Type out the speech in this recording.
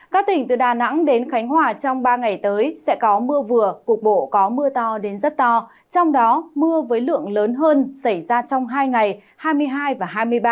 các tỉnh từ đà nẵng đến khánh hòa trong ba ngày tới sẽ có mưa vừa cục bộ có mưa to đến rất to trong đó mưa với lượng lớn hơn xảy ra trong hai ngày hai mươi hai và hai mươi ba